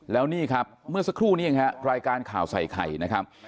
แล้วนี่ครับเมื่อสักครู่นี้เองฮะรายการข่าวใส่ไข่นะครับ